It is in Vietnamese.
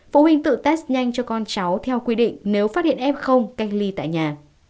phụ huynh tự test nhanh cho con cháu theo quy định nếu phát hiện f cách ly tại nhà